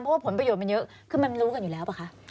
เพราะว่าผลประโยชนมันเยอะคือมันรู้กันอยู่แล้วป่ะคะ